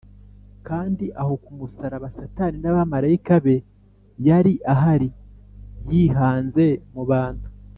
kandi aho ku musaraba, satani n’abamarayika be, yari ahari yihanze mu bantu